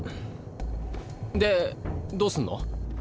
でどうすんの？